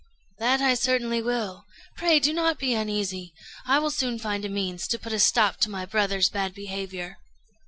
"That I certainly will. Pray do not be uneasy; I will soon find means to put a stop to my brother's bad behaviour."